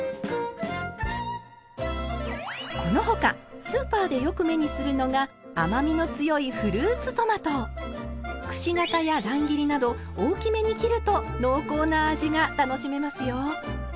この他スーパーでよく目にするのが甘みの強いくし形や乱切りなど大きめに切ると濃厚な味が楽しめますよ。